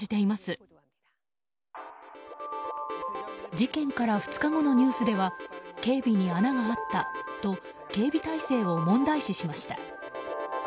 事件から２日後のニュースでは警備に穴があったと警備態勢を問題視しました。